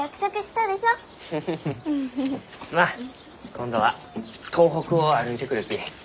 今度は東北を歩いてくるき。